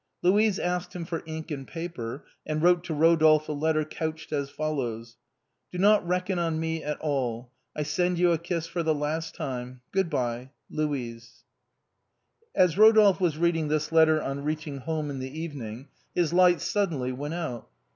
Louise asked him for ink and paper, and wrote to Eo dolphe a letter couched as follows :" Do not rekkon on me at all. I sende you a kis for the last time. Good by. Louise." 54 THE BOHEMIANS OF THE LATIN QUARTER. As Rodolphe was reading this letter on reaching home in the evening, his light suddenly went out.